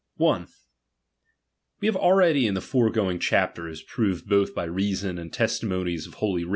1. We have already in the foregoing chapters, ( proved both by reason and testimonies of holy